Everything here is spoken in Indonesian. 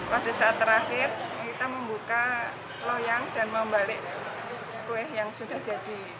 pada saat terakhir kita membuka loyang dan membalik kue yang sudah jadi